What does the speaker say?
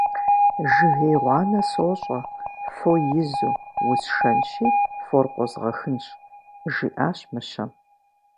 Жыгей гъуанэ сощӏэ, фо изу, усшэнщи, фор къозгъэхынщ, - жиӏащ мыщэм.